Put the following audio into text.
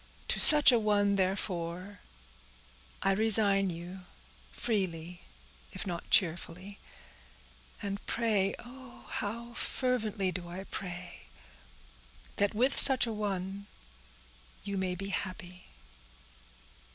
To such a one, therefore, I resign you freely, if not cheerfully; and pray, oh, how fervently do I pray! that with such a one you may be happy."